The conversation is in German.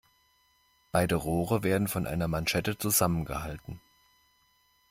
Beide Rohre werden von einer Manschette zusammengehalten.